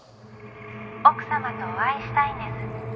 「奥様とお会いしたいんです。